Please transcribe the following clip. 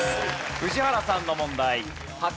宇治原さんの問題。